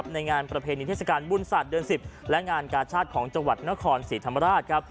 ในงานประเพณีเทศกาลบุญศาสตร์เดือน๑๐และงานกาชาติของจังหวัดนครศรีธรรมราชครับ